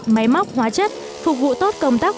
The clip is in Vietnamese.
máy móc hóa chất phục vụ tốt công tác